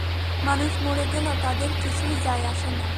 মানুষ মরে গেলেও তাদের কিছুই যায়-আসেনা।